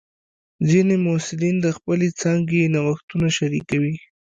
ځینې محصلین د خپلې څانګې نوښتونه شریکوي.